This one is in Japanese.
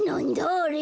あれ。